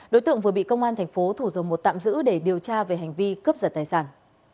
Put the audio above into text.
đối tượng vừa bị công an thành phố thủ dầu một tạm giữ để điều tra về hành vi cướp giật tài sản